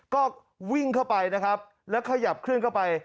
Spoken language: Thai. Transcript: ก็วิ่งเข้าไปนะครับแล้วขยับเคลื่อนเข้าไป